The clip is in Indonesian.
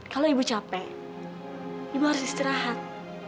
kalau ibu capek ibu harus istirahat